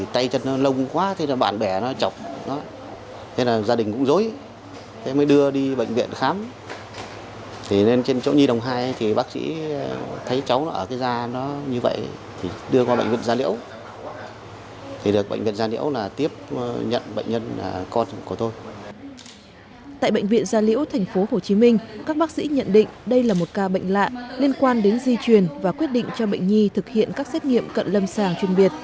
tại bệnh viện gia liễu thành phố hồ chí minh các bác sĩ nhận định đây là một ca bệnh lạ liên quan đến di truyền và quyết định cho bệnh nhi thực hiện các xét nghiệm cận lâm sàng chuyên biệt